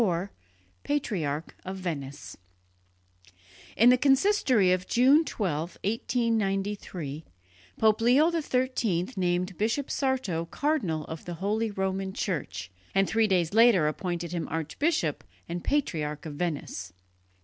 IV PATRIARCH OF VENICE In the consistory of June 12, 1893, Pope Leo XIII named Bishop Sarto cardinal of the Holy Roman Church, and three days later appointed him archbishop and patriarch of Venice.